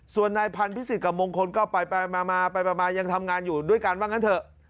ส่วนนายพันธิ์กับมงคลก็ไปมาไปยังทำงานอยู่ด้วยกันว่างั้นเถอะ